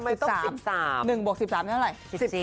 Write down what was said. ๑บวก๑๓เป็นเมื่อไหร่